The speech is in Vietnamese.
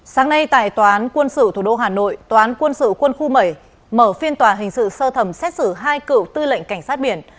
sáng nay tại tòa án quân sự thủ đô hà nội tòa án quân sự quân khu bảy mở phiên tòa hình sự sơ thẩm xét xử hai cựu tư lệnh cảnh sát biển